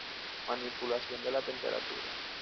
Manipulación de la Temperatura